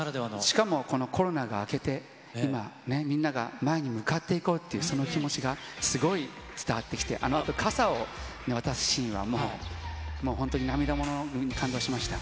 しかもこのコロナが明けて、今、みんなが前に向かっていこうっていう、その気持ちがすごい伝わってきて、あと傘を渡すシーンは、もう本当に涙ものに感動しました。